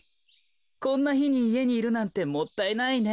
こんなひにいえにいるなんてもったいないね。